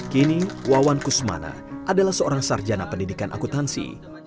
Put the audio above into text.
kini wawan kusmana adalah seorang sarjana pendidikan akutansi